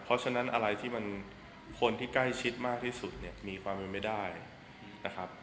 เพราะฉะนั้นอะไรที่มันคนที่ใกล้ชิดมากที่สุดเนี่ยมีความเป็นไม่ได้นะครับ